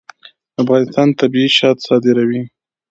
افغانستان طبیعي شات صادروي